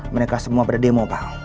mereka semua pada demo pak